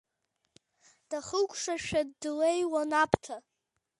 Дахыкәшашәа длеиуан Аԥҭа.